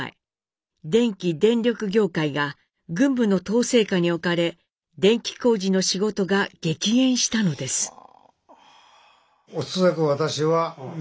電気・電力業界が軍部の統制下に置かれ電気工事の仕事が激減したのです。